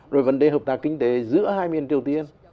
rồi vấn đề hợp tác kinh tế giữa hai miền triều tiên